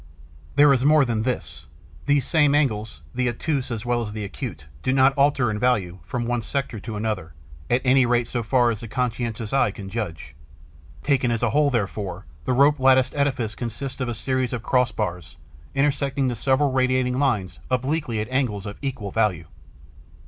There is more than this: these same angles, the obtuse as well as the acute, do not alter in value, from one sector to another, at any rate so far as the conscientious eye can judge. Taken as a whole, therefore, the rope latticed edifice consists of a series of cross bars intersecting the several radiating lines obliquely at angles of equal value.